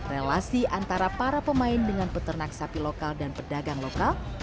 relasi antara para pemain dengan peternak sapi lokal dan pedagang lokal